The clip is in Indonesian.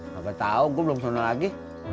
gapapa tau gua belum sembuh lagi